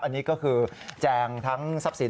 อันนี้ก็คือแจงทั้งทรัพย์สิน